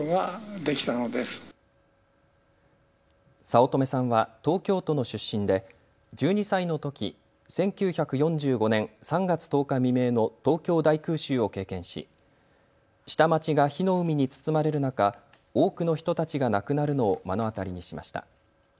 早乙女さんは東京都の出身で１２歳のとき１９４５年３月１０日未明の東京大空襲を経験し下町が火の海に包まれる中、多くの人たちが亡くなるのを目の当たりにしました。